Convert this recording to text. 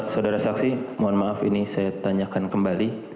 saudara saksi mohon maaf ini saya tanyakan kembali